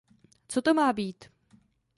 Co to má být?